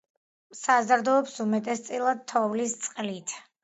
საზრდოობს უმეტესწილად თოვლის წყლით.